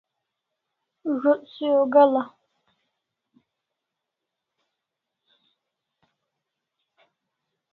Zo't se o ga'l'a